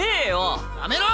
やめろ！